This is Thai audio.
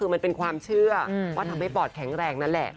คือมันเป็นความเชื่อว่าทำให้ปอดแข็งแรงนั่นแหละ